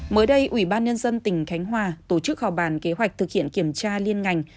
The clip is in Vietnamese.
mới đây ủy ban nhân dân tỉnh khánh hòa tổ chức họp bàn kế hoạch thực hiện kiểm tra liên ngành